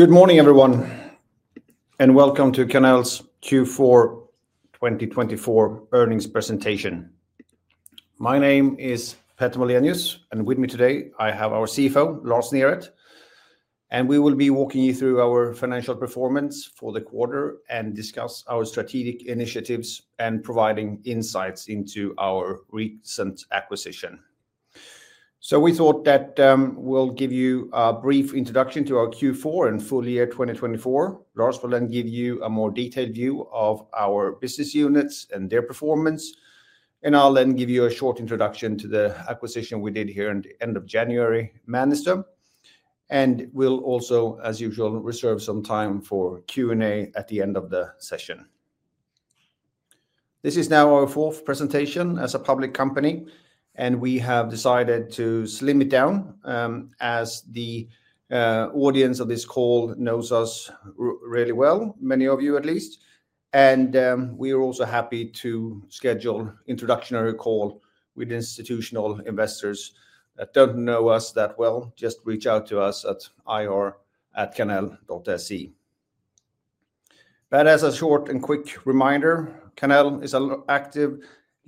Good morning, everyone, and welcome to Karnell's Q4 2024 earnings presentation. My name is Petter Moldenius, and with me today, I have our CFO, Lars Neret, and we will be walking you through our financial performance for the quarter and discuss our strategic initiatives and providing insights into our recent acquisition, so we thought that we'll give you a brief introduction to our Q4 and full year 2024. Lars will then give you a more detailed view of our business units and their performance, and I'll then give you a short introduction to the acquisition we did here at the end of January, Männistö, and we'll also, as usual, reserve some time for Q&A at the end of the session. This is now our fourth presentation as a public company, and we have decided to slim it down, as the audience of this call knows us really well, many of you at least. And we are also happy to schedule an introductory call with institutional investors that don't know us that well. Just reach out to us at ir@karnell.se. But as a short and quick reminder, Karnell is an active,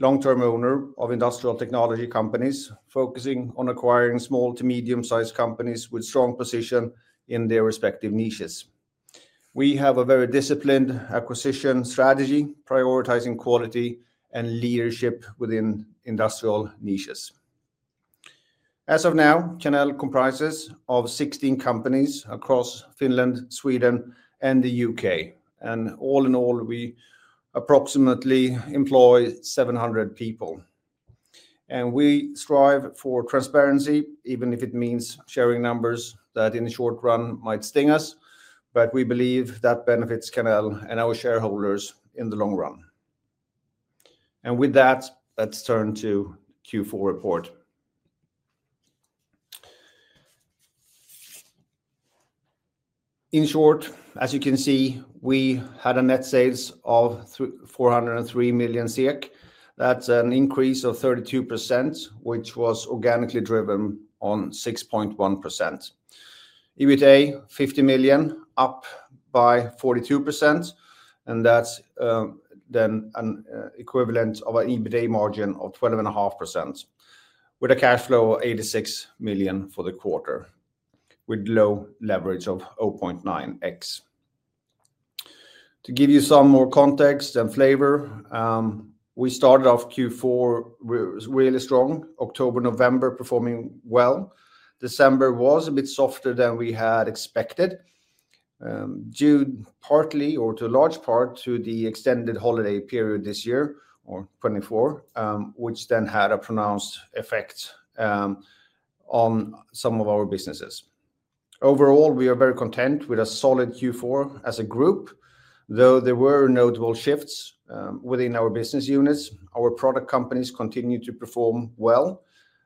long-term owner of industrial technology companies focusing on acquiring small to medium-sized companies with strong positions in their respective niches. We have a very disciplined acquisition strategy, prioritizing quality and leadership within industrial niches. As of now, Karnell comprises 16 companies across Finland, Sweden, and the U.K. And all in all, we approximately employ 700 people. And we strive for transparency, even if it means sharing numbers that in the short run might sting us. We believe that benefits Karnell and our shareholders in the long run. With that, let's turn to the Q4 report. In short, as you can see, we had net sales of 403 million. That's an increase of 32%, which was organically driven on 6.1%. EBITDA, 50 million, up by 42%. That's then an equivalent of an EBITDA margin of 12.5%, with a cash flow of 86 million for the quarter, with low leverage of 0.9x. To give you some more context and flavor, we started off Q4 really strong, October, November performing well. December was a bit softer than we had expected, due partly or to a large part to the extended holiday period this year, 2024, which then had a pronounced effect on some of our businesses. Overall, we are very content with a solid Q4 as a group, though there were notable shifts within our business units. Our product companies continue to perform well,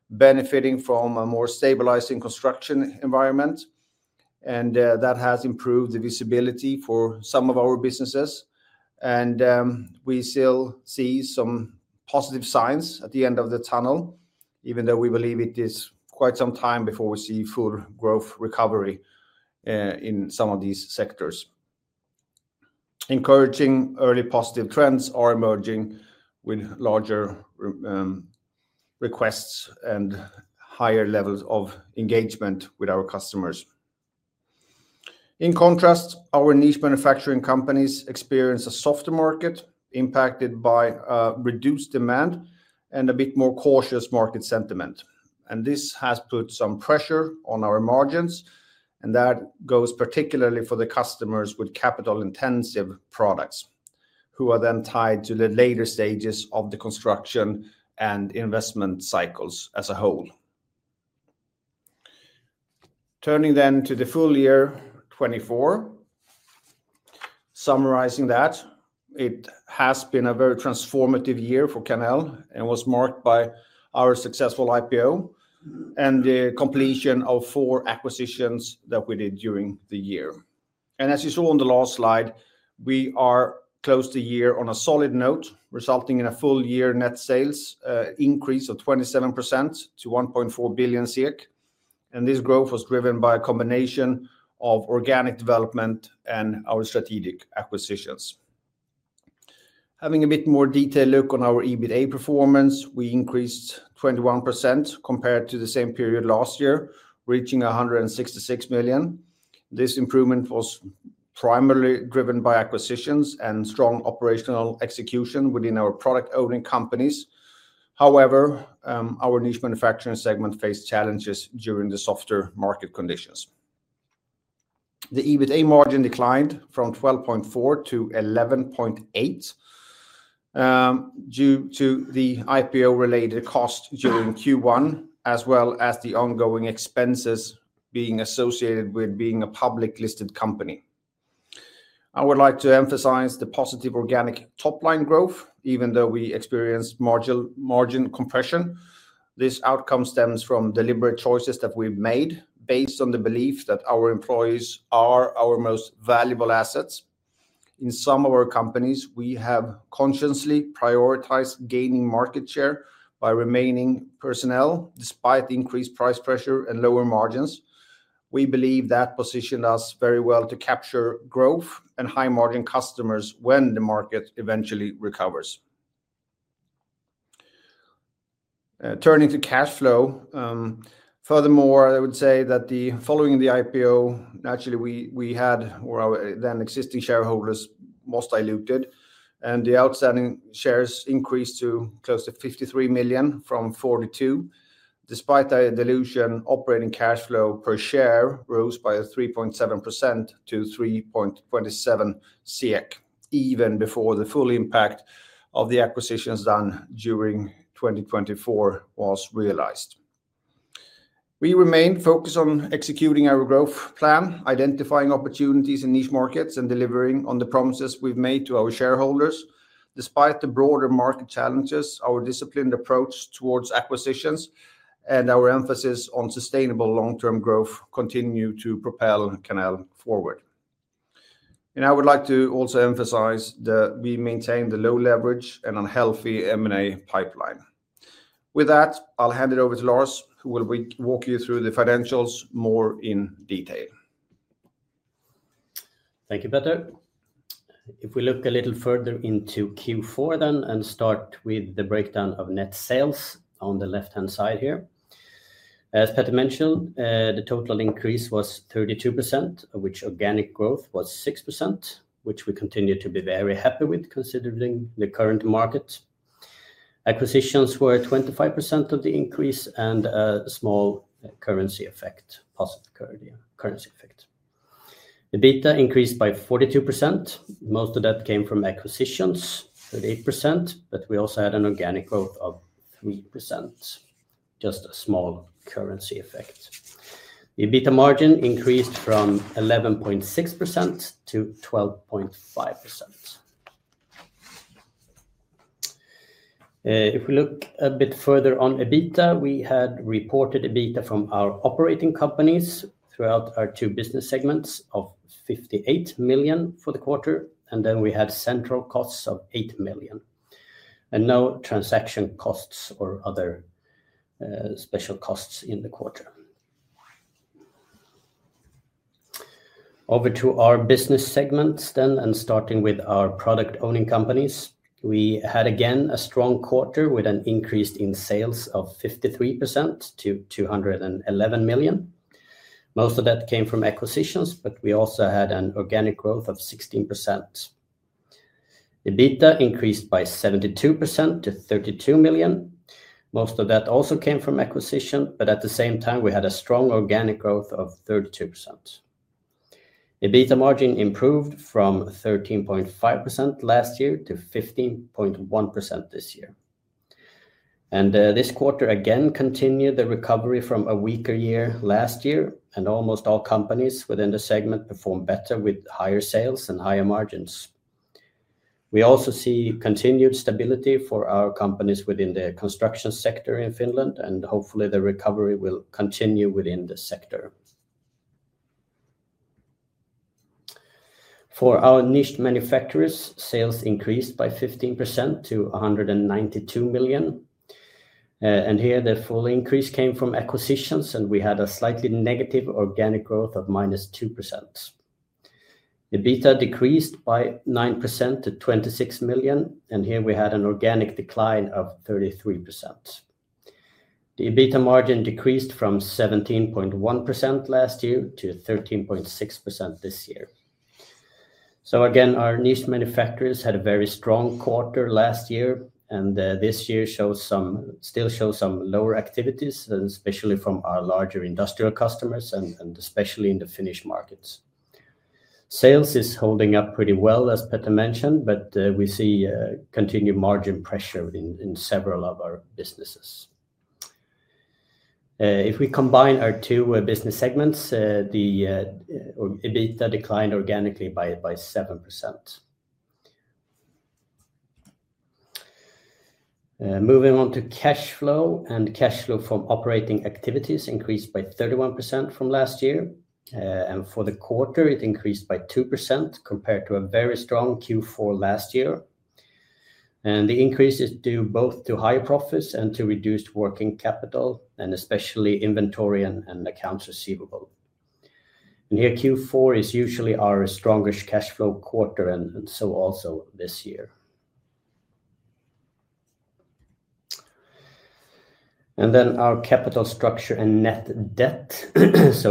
benefiting from a more stabilizing construction environment, and that has improved the visibility for some of our businesses, and we still see some positive signs at the end of the tunnel, even though we believe it is quite some time before we see full growth recovery in some of these sectors. Encouraging early positive trends are emerging with larger requests and higher levels of engagement with our customers. In contrast, our niche manufacturing companies experience a softer market impacted by reduced demand and a bit more cautious market sentiment, and this has put some pressure on our margins. That goes particularly for the customers with capital-intensive products, who are then tied to the later stages of the construction and investment cycles as a whole. Turning then to the full year 2024, summarizing that, it has been a very transformative year for Karnell and was marked by our successful IPO and the completion of four acquisitions that we did during the year. As you saw on the last slide, we are close to the year on a solid note, resulting in a full year net sales increase of 27% to 1.4 billion. This growth was driven by a combination of organic development and our strategic acquisitions. Having a bit more detailed look on our EBITDA performance, we increased 21% compared to the same period last year, reaching 166 million. This improvement was primarily driven by acquisitions and strong operational execution within our product-owning companies. However, our niche manufacturing segment faced challenges during the softer market conditions. The EBITDA margin declined from 12.4%-11.8% due to the IPO-related cost during Q1, as well as the ongoing expenses being associated with being a public-listed company. I would like to emphasize the positive organic top-line growth, even though we experienced margin compression. This outcome stems from deliberate choices that we've made based on the belief that our employees are our most valuable assets. In some of our companies, we have consciously prioritized gaining market share by retaining personnel despite increased price pressure and lower margins. We believe that positioned us very well to capture growth and high-margin customers when the market eventually recovers. Turning to cash flow, furthermore, I would say that following the IPO, naturally, we had, or our then existing shareholders most diluted, and the outstanding shares increased to close to 53 million from 42. Despite the dilution, operating cash flow per share rose by 3.7% to 3.27, even before the full impact of the acquisitions done during 2024 was realized. We remained focused on executing our growth plan, identifying opportunities in niche markets, and delivering on the promises we've made to our shareholders. Despite the broader market challenges, our disciplined approach towards acquisitions and our emphasis on sustainable long-term growth continue to propel Karnell forward. And I would like to also emphasize that we maintain the low leverage and a healthy M&A pipeline. With that, I'll hand it over to Lars, who will walk you through the financials more in detail. Thank you, Petter. If we look a little further into Q4 then and start with the breakdown of net sales on the left-hand side here, as Petter mentioned, the total increase was 32%, which organic growth was 6%, which we continue to be very happy with considering the current market. Acquisitions were 25% of the increase and a small currency effect, positive currency effect. EBITDA increased by 42%. Most of that came from acquisitions, 38%, but we also had an organic growth of 3%, just a small currency effect. EBITDA margin increased from 11.6%-12.5%. If we look a bit further on EBITDA, we had reported EBITDA from our operating companies throughout our two business segments of 58 million for the quarter. Then we had central costs of 8 million. No transaction costs or other special costs in the quarter. Over to our business segments then, and starting with our product-owning companies, we had again a strong quarter with an increase in sales of 53% to 211 million. Most of that came from acquisitions, but we also had an organic growth of 16%. EBITDA increased by 72% to 32 million. Most of that also came from acquisition, but at the same time, we had a strong organic growth of 32%. EBITDA margin improved from 13.5% last year to 15.1% this year. And this quarter again continued the recovery from a weaker year last year. And almost all companies within the segment performed better with higher sales and higher margins. We also see continued stability for our companies within the construction sector in Finland, and hopefully the recovery will continue within the sector. For our niche manufacturers, sales increased by 15% to 192 million. And here the full increase came from acquisitions, and we had a slightly negative organic growth of -2%. EBITDA decreased by 9% to 26 million, and here we had an organic decline of 33%. The EBITDA margin decreased from 17.1% last year to 13.6% this year. So again, our niche manufacturers had a very strong quarter last year, and this year still shows some lower activities, especially from our larger industrial customers and especially in the Finnish markets. Sales is holding up pretty well, as Petter mentioned, but we see continued margin pressure in several of our businesses. If we combine our two business segments, the EBITDA declined organically by 7%. Moving on to cash flow, and cash flow from operating activities increased by 31% from last year. And for the quarter, it increased by 2% compared to a very strong Q4 last year. The increase is due both to higher profits and to reduced working capital, and especially inventory and accounts receivable. Here Q4 is usually our strongest cash flow quarter, and so also this year. Then our capital structure and net debt.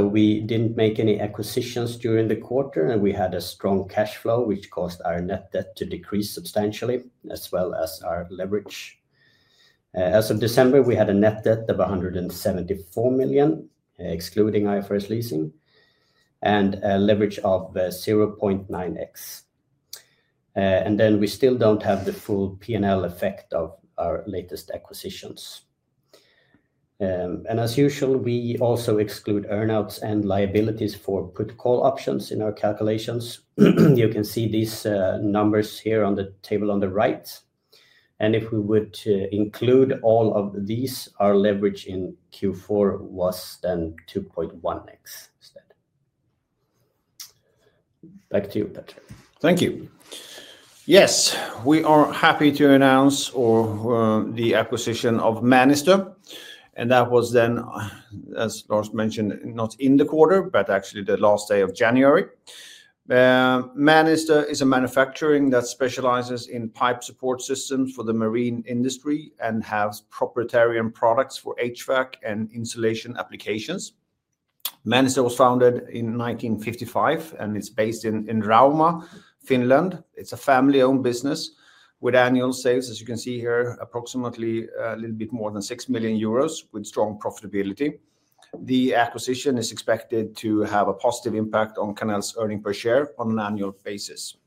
We didn't make any acquisitions during the quarter, and we had a strong cash flow, which caused our net debt to decrease substantially, as well as our leverage. As of December, we had a net debt of 174 million, excluding IFRS leasing, and a leverage of 0.9x. Then we still don't have the full P&L effect of our latest acquisitions. As usual, we also exclude earnouts and liabilities for put call options in our calculations. You can see these numbers here on the table on the right. If we would include all of these, our leverage in Q4 was then 2.1x instead. Back to you, Petter. Thank you. Yes, we are happy to announce the acquisition of Männistö. And that was then, as Lars mentioned, not in the quarter, but actually the last day of January. Männistö is a manufacturer that specializes in pipe support systems for the marine industry and has proprietary products for HVAC and insulation applications. Männistö was founded in 1955, and it's based in Rauma, Finland. It's a family-owned business with annual sales, as you can see here, approximately a little bit more than 6 million euros with strong profitability. The acquisition is expected to have a positive impact on Karnell's earnings per share on an annual basis.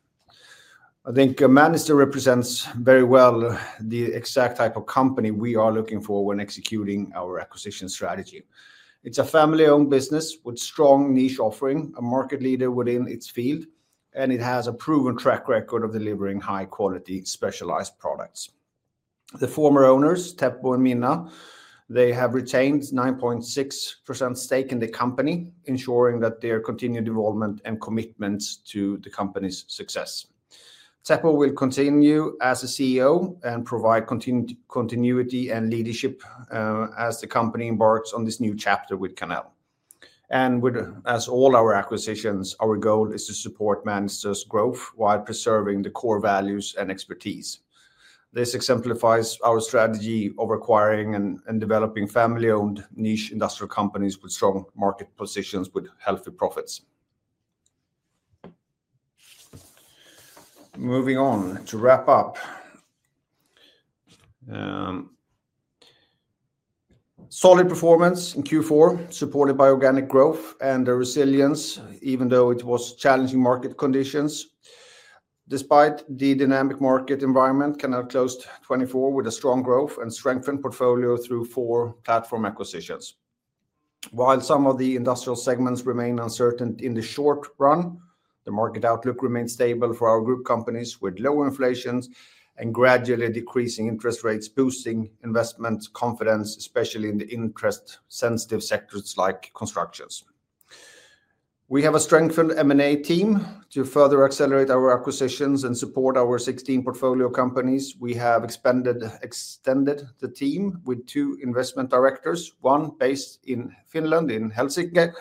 I think Männistö represents very well the exact type of company we are looking for when executing our acquisition strategy. It's a family-owned business with strong niche offering, a market leader within its field, and it has a proven track record of delivering high-quality specialized products. The former owners, Teppo and Minna, they have retained 9.6% stake in the company, ensuring that their continued involvement and commitments to the company's success. Teppo will continue as a CEO and provide continuity and leadership as the company embarks on this new chapter with Karnell, and as all our acquisitions, our goal is to support Männistö's growth while preserving the core values and expertise. This exemplifies our strategy of acquiring and developing family-owned niche industrial companies with strong market positions with healthy profits. Moving on to wrap up. Solid performance in Q4, supported by organic growth and resilience, even though it was challenging market conditions. Despite the dynamic market environment, Karnell closed 2024 with a strong growth and strengthened portfolio through four platform acquisitions. While some of the industrial segments remain uncertain in the short run, the market outlook remains stable for our group companies with low inflation and gradually decreasing interest rates, boosting investment confidence, especially in the interest-sensitive sectors like construction. We have a strengthened M&A team to further accelerate our acquisitions and support our 16 portfolio companies. We have extended the team with two investment directors, one based in Finland in Helsinki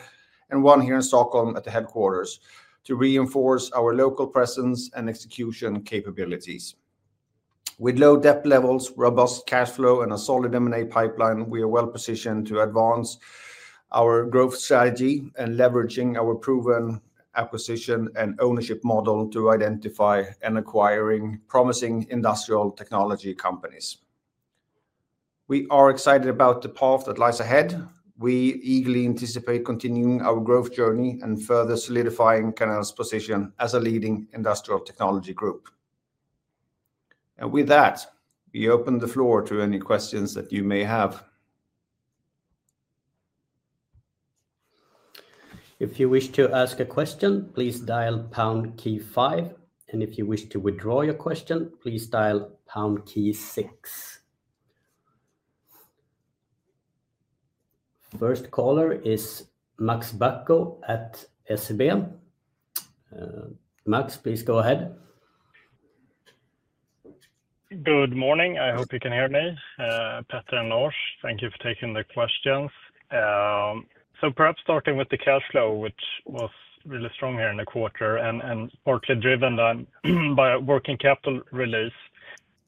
and one here in Stockholm at the headquarters, to reinforce our local presence and execution capabilities. With low debt levels, robust cash flow, and a solid M&A pipeline, we are well positioned to advance our growth strategy and leveraging our proven acquisition and ownership model to identify and acquire promising industrial technology companies. We are excited about the path that lies ahead. We eagerly anticipate continuing our growth journey and further solidifying Karnell's position as a leading industrial technology group. With that, we open the floor to any questions that you may have. If you wish to ask a question, please dial pound key five. And if you wish to withdraw your question, please dial pound key six. First caller is Max Bäck at SEB. Max, please go ahead. Good morning. I hope you can hear me. Petter and Lars, thank you for taking the questions. So perhaps starting with the cash flow, which was really strong here in the quarter and partly driven by working capital release.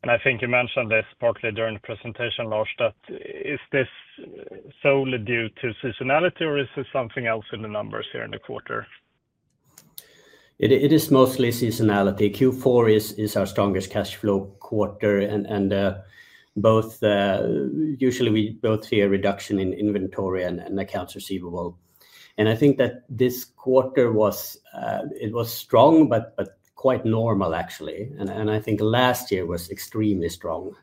And I think you mentioned this partly during the presentation, Lars, that is this solely due to seasonality or is this something else in the numbers here in the quarter? It is mostly seasonality. Q4 is our strongest cash flow quarter. And usually, we both see a reduction in inventory and accounts receivable. And I think that this quarter was strong, but quite normal, actually. And I think last year was extremely strong.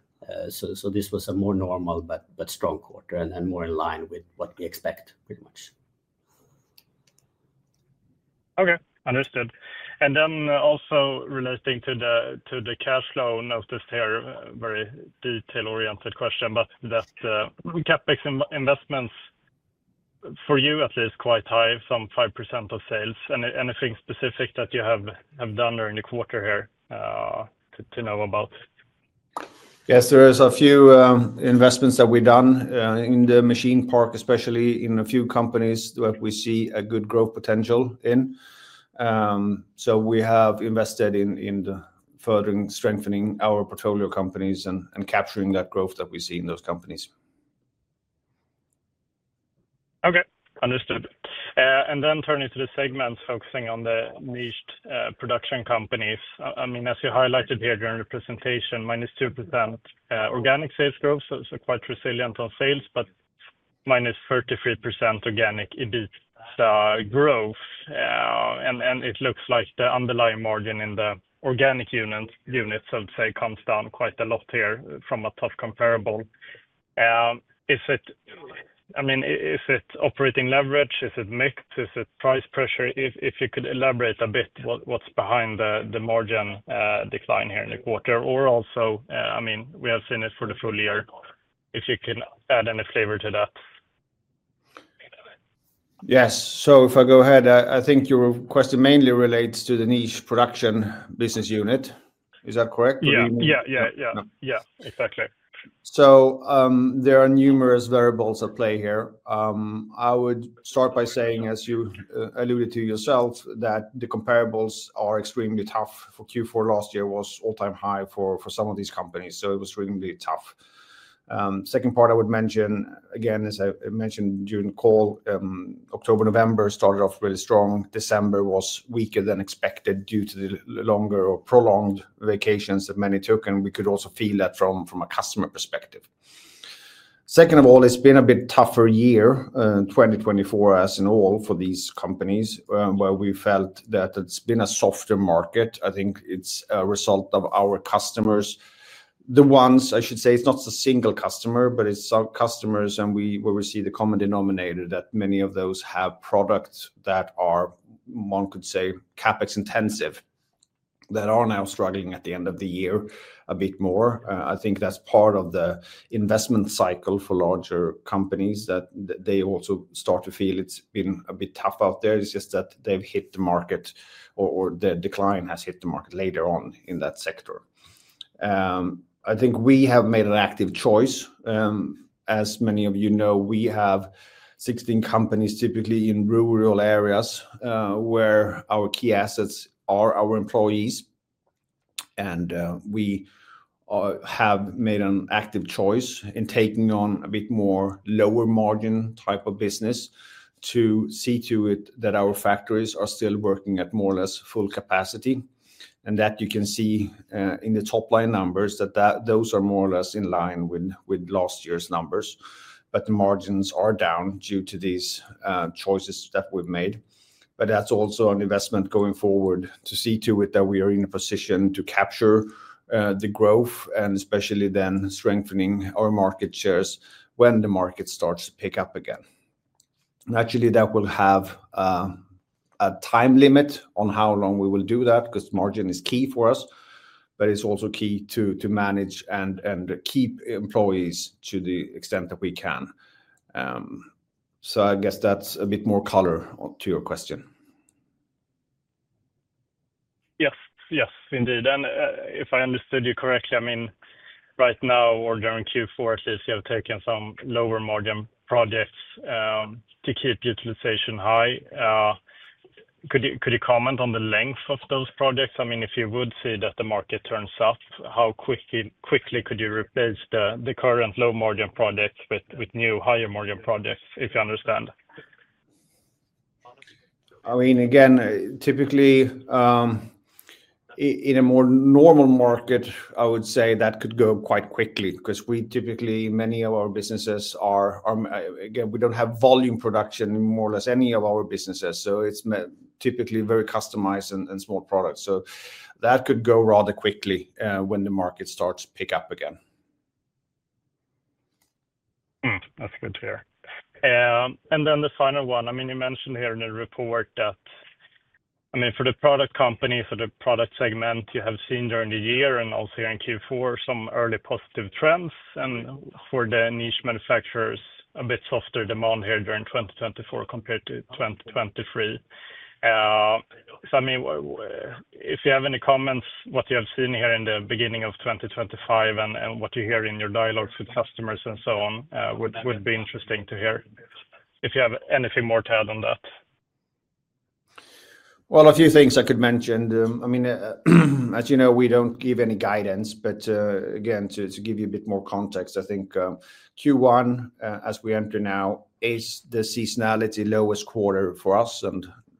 So this was a more normal, but strong quarter and more in line with what we expect, pretty much. Okay, understood. And then also relating to the cash flow, not just here, very detail-oriented question, but that CapEx investments for you, at least, quite high, some 5% of sales. Anything specific that you have done during the quarter here to know about? Yes, there are a few investments that we've done in the machine park, especially in a few companies that we see a good growth potential in. So we have invested in further strengthening our portfolio companies and capturing that growth that we see in those companies. Okay, understood. And then turning to the segments, focusing on the niche production companies. I mean, as you highlighted here during the presentation, minus 2% organic sales growth, so quite resilient on sales, but minus 33% organic EBITDA growth. And it looks like the underlying margin in the organic units, I'd say, comes down quite a lot here from a tough comparable. I mean, is it operating leverage? Is it mixed? Is it price pressure? If you could elaborate a bit what's behind the margin decline here in the quarter, or also, I mean, we have seen it for the full year, if you can add any flavor to that. Yes, so if I go ahead, I think your question mainly relates to the niche production business unit. Is that correct? Yeah, yeah, yeah, yeah, exactly. There are numerous variables at play here. I would start by saying, as you alluded to yourself, that the comparables are extremely tough. For Q4 last year was all-time high for some of these companies, so it was really tough. Second part I would mention, again, as I mentioned during the call, October, November started off really strong. December was weaker than expected due to the longer or prolonged vacations that many took, and we could also feel that from a customer perspective. Second of all, it's been a bit tougher year, 2024 as in all for these companies, where we felt that it's been a softer market. I think it's a result of our customers. The ones, I should say, it's not a single customer, but it's our customers, and we will receive the common denominator that many of those have products that are, one could say, CapEx intensive, that are now struggling at the end of the year a bit more. I think that's part of the investment cycle for larger companies that they also start to feel it's been a bit tough out there. It's just that they've hit the market, or the decline has hit the market later on in that sector. I think we have made an active choice. As many of you know, we have 16 companies typically in rural areas where our key assets are our employees. And we have made an active choice in taking on a bit more lower margin type of business to see to it that our factories are still working at more or less full capacity. And that you can see in the top line numbers that those are more or less in line with last year's numbers, but the margins are down due to these choices that we've made. But that's also an investment going forward to see to it that we are in a position to capture the growth and especially then strengthening our market shares when the market starts to pick up again. And actually, that will have a time limit on how long we will do that because margin is key for us, but it's also key to manage and keep employees to the extent that we can. So I guess that's a bit more color to your question. Yes, yes, indeed. And if I understood you correctly, I mean, right now or during Q4, it seems you have taken some lower margin projects to keep utilization high. Could you comment on the length of those projects? I mean, if you would see that the market turns up, how quickly could you replace the current low margin projects with new higher margin projects, if you understand? I mean, again, typically in a more normal market, I would say that could go quite quickly because we typically, many of our businesses are, again, we don't have volume production in more or less any of our businesses. So it's typically very customized and small products. So that could go rather quickly when the market starts to pick up again. That's good to hear. And then the final one, I mean, you mentioned here in the report that, I mean, for the product companies, for the product segment, you have seen during the year and also here in Q4 some early positive trends. And for the niche manufacturers, a bit softer demand here during 2024 compared to 2023. So I mean, if you have any comments, what you have seen here in the beginning of 2025 and what you hear in your dialogue with customers and so on, would be interesting to hear if you have anything more to add on that? Well, a few things I could mention. I mean, as you know, we don't give any guidance, but again, to give you a bit more context, I think Q1, as we enter now, is the seasonality lowest quarter for us.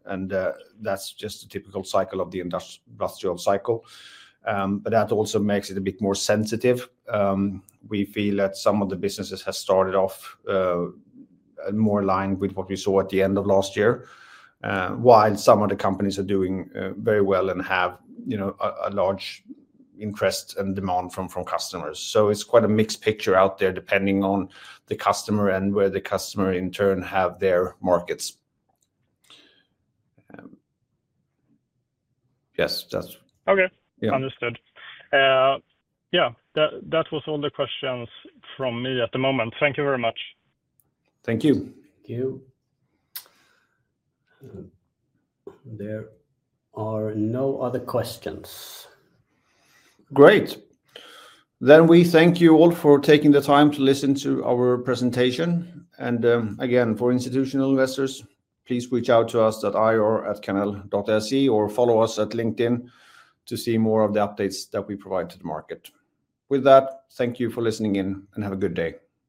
And that's just a typical cycle of the industrial cycle. But that also makes it a bit more sensitive. We feel that some of the businesses have started off more aligned with what we saw at the end of last year, while some of the companies are doing very well and have a large interest and demand from customers. So it's quite a mixed picture out there depending on the customer and where the customer in turn have their markets. Yes, that's. Okay, understood. Yeah, that was all the questions from me at the moment. Thank you very much. Thank you. Thank you. There are no other questions. Great. Then we thank you all for taking the time to listen to our presentation. And again, for institutional investors, please reach out to us at ir@karnell.se or follow us at LinkedIn to see more of the updates that we provide to the market. With that, thank you for listening in and have a good day.